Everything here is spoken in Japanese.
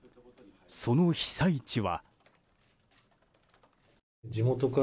その被災地は。